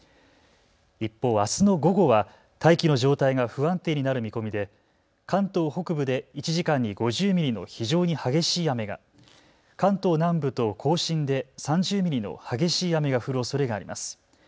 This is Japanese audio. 一方、あすの午後は大気の状態が不安定になる見込みで関東北部で１時間に５０ミリの非常に激しい雨が、関東南部と甲信で３０ミリの激しい雨が降るおそれがあります。